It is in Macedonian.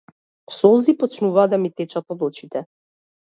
Солзи почнуваат да ми течат од очите.